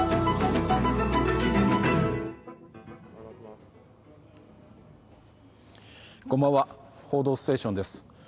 「報道ステーション」です。